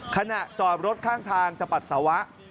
ขณะจอดรถข้างทางจะปัสสาวะ